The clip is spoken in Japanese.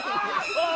ああ！